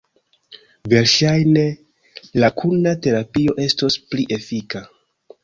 Verŝajne, la kuna terapio estos pli efika.